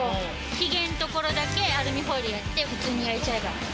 ひげの所だけアルミホイルで普通に焼いちゃえば。